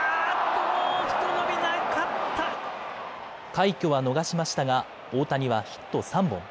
快挙は逃しましたが大谷はヒット３本。